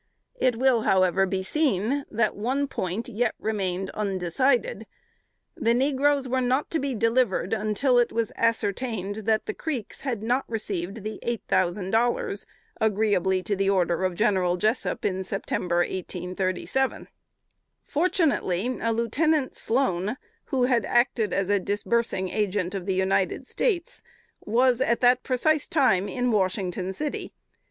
It will however be seen that one point yet remained undecided. The negroes were not to be delivered until it was ascertained that the Creeks had not received the eight thousand dollars, agreeably to the order of General Jessup in September, 1837. Fortunately, a Lieutenant Sloan, who had acted as a disbursing agent of the United States, was at that precise time in Washington City.